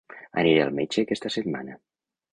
Aniré al metge aquesta setmana.